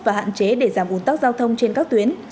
và hạn chế để giảm ủn tắc giao thông trên các tuyến